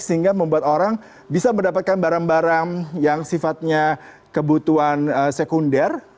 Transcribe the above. sehingga membuat orang bisa mendapatkan barang barang yang sifatnya kebutuhan sekunder